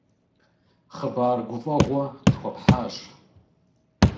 Хъыбар гуфӀэгъуэ къытхуэпхьащ.